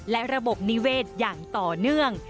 และระบบนิเวศอย่างต่อเนื่อง